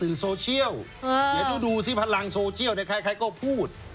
สื่อโซเชียลเดี๋ยวดูสิพลังโซเชียลในใครก็พูด